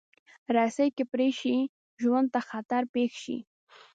رسۍ که پرې شي، ژوند ته خطر پېښ شي.